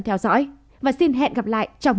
theo dõi và xin hẹn gặp lại trong